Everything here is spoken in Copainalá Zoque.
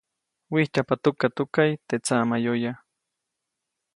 Wijtyajpa tukatukaʼy teʼ tsaʼmayoya.